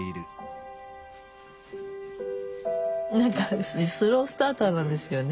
何かスロースターターなんですよね。